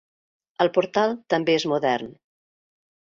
El portal també és modern.